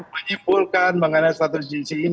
menyimpulkan mengenai status jc ini